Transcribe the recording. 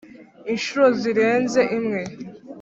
inshuro zirenze imwe